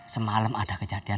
semalam ada kejadian